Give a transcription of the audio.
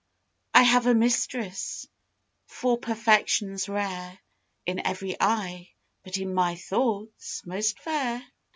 I have a mistress, for perfections rare In every eye, but in my thoughts most fair.